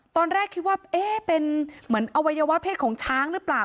ตอนแรกคิดว่าเอ๊ะเป็นเหมือนอวัยวะเพศของช้างหรือเปล่า